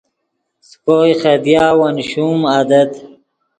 سے کوئے خدیا ون شوم عادت